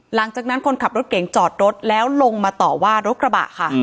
หลังจากนั้นคนขับรถเก่งจอดรถแล้วลงมาต่อว่ารถกระบะค่ะ